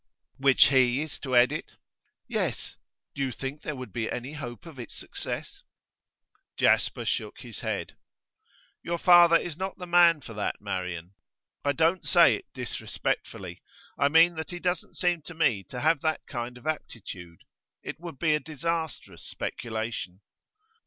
'Which he is to edit?' 'Yes. Do you think there would be any hope of its success?' Jasper shook his head. 'Your father is not the man for that, Marian. I don't say it disrespectfully; I mean that he doesn't seem to me to have that kind of aptitude. It would be a disastrous speculation.